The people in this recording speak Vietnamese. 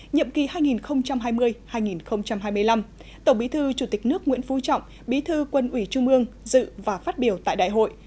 nhiệm kỳ hai nghìn hai mươi hai nghìn hai mươi năm tổng bí thư chủ tịch nước nguyễn phú trọng bí thư quân ủy trung ương dự và phát biểu tại đại hội